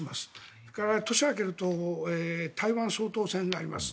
それから年が明けると台湾総統選があります。